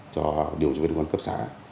cho điều tra viên cơ quan cấp xã